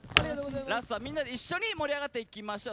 ラストは、みんなで一緒に盛り上がっていきましょう。